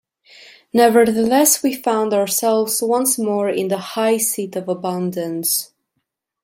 Nevertheless we found ourselves once more in the high seat of abundance.